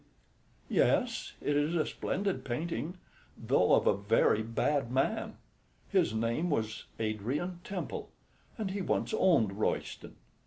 "Yes, it is a splendid painting, though of a very bad man. His name was Adrian Temple, and he once owned Royston.